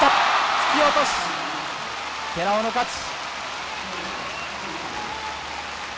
突き落とし、寺尾の勝ち。